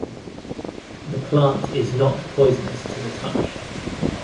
The plant is not poisonous to the touch.